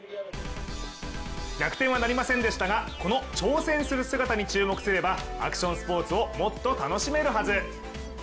逆転はなりませんでしたがこの挑戦する姿に注目すればアクションスポーツをもっと楽しめるはず。